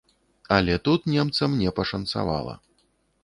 Але тут немцам не пашанцавала.